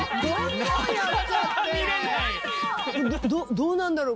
どうなんだろう？